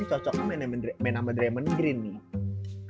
ini cocoknya main sama diamond green nih